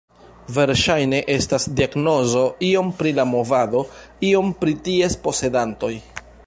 Verŝajne estas diagnozo iom pri la movado, iom pri ties posedantoj.